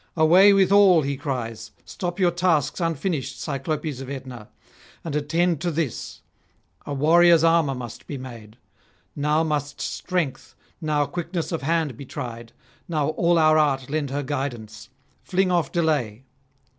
'Away with all!' he cries: 'stop your tasks unfinished, Cyclopes of Aetna, and attend to this; a warrior's armour must be made. Now must strength, now quickness of hand be tried, now all our art lend her guidance. Fling off delay.'